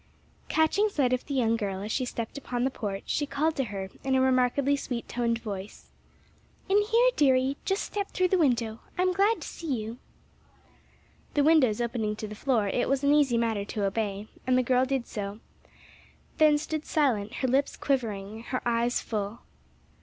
Catching sight of the young girl as she stepped upon the porch, she called to her in a remarkably sweet toned voice, "In here, dearie! Just step through the window. I'm glad to see you." The windows opening to the floor, it was an easy matter to obey, and the girl did so; then stood silent, her lips quivering, her eyes full.